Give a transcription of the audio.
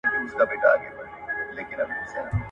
که شريعت تطبيق سي ناخوالې به له منځه لاړې سي.